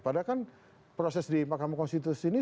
padahal kan proses di mahkamah konstitusi ini